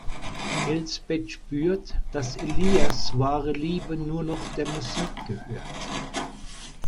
Elsbeth spürt, dass Elias wahre Liebe nur noch der Musik gehört.